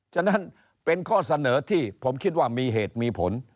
ฉะนั้นเป็นข้อเสนอที่ผมคิดว่ามีเหตุมีผล